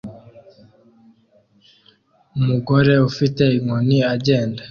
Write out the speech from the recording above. Umugore ufite inkoni agenda